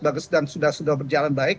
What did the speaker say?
bagus dan sudah sudah berjalan baik